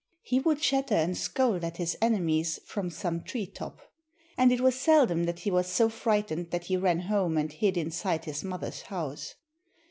He would chatter and scold at his enemies from some tree top. And it was seldom that he was so frightened that he ran home and hid inside his mother's house.